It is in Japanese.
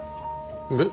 えっ？